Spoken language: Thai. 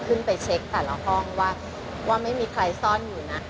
ขึ้นไปเช็คแต่ละห้องว่าไม่มีใครซ่อนอยู่นะ